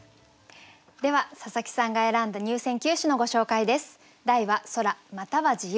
では佐佐木さんが選んだ入選九首のご紹介です。